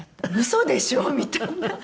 「“嘘でしょ？”みたいな」